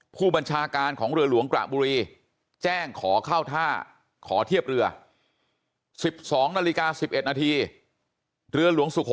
ผู้บัญชาการของเรือหลวงกระบุรีแจ้งขอเข้าท่าขอเทียบเรือ